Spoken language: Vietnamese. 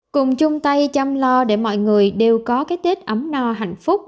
cùng chung tay chăm lo để mọi người đều có cái tết ấm no hạnh phúc